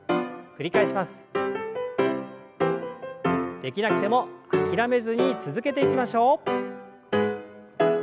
できなくても諦めずに続けていきましょう。